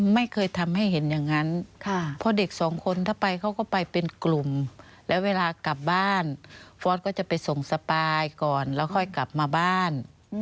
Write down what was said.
ไม่เคยทำให้เห็นอย่างนั้นเพราะเด็กสองคนถ้าไปเขาก็ไปเป็นกลุ่มแล้วเวลากลับบ้านฟอร์สก็จะไปส่งสปายก่อนแล้วค่อยกลับมาบ้าน